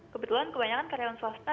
kebetulan kebanyakan karyawan swasta